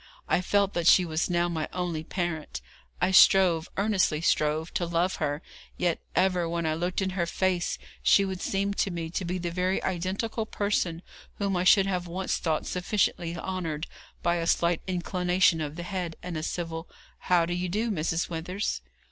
I felt that she was now my only parent. I strove, earnestly strove, to love her; yet ever when I looked in her face, she would seem to me to be the very identical person whom I should have once thought sufficiently honoured by a slight inclination of the head, and a civil, 'How do you do, Mrs Withers?'